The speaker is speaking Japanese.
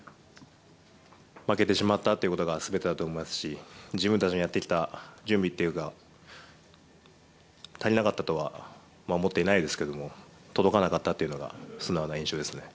負けてしまったっていうことが、すべてだと思いますし、自分たちのやってきた準備っていうか、足りなかったとは思ってないですけれども、届かなかったっていうのが、素直な印象ですね。